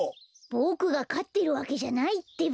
ボクがかってるわけじゃないってば。